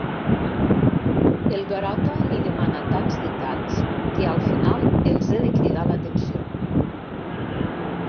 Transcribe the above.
El Garota li demana tants detalls que al final els he de cridar l'atenció.